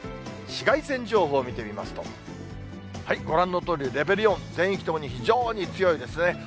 紫外線情報を見てみますと、ご覧のとおり、レベル４、全域ともに非常に強いですね。